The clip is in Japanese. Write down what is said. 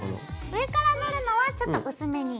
上から塗るのはちょっと薄めに。